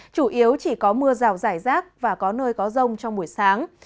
chủ yếu chỉ có mưa rào rải rác và có nơi có rông trong buổi sáng